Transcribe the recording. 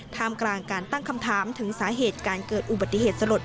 ท่ามกลางการตั้งคำถามถึงสาเหตุการเกิดอุบัติเหตุสลด